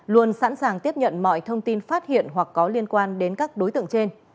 luôn sẵn sàng tiếp nhận mọi thông tin phát hiện hoặc có liên quan đến các đối tượng trên